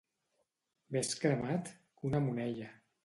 Més cremat que una moneia.